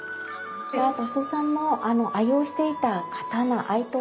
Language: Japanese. これは歳三さんの愛用していた刀愛刀ですね。